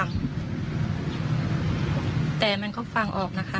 และที่สำคัญก็มีอาจารย์หญิงในอำเภอภูสิงอีกเหมือนกัน